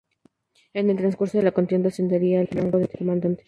En el transcurso de la contienda ascendería al rango de comandante.